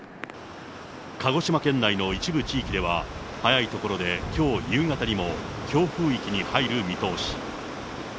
鹿児島県内の一部地域では、早い所で、きょう夕方にも強風域に入る見通し。